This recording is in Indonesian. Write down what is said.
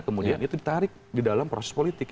kemudian itu ditarik di dalam proses politik